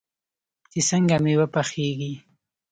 چې څنګه میوه پخیږي.